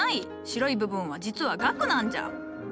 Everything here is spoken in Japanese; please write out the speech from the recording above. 白い部分は実は萼なんじゃ。